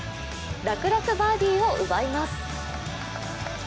楽々バーディーを奪います。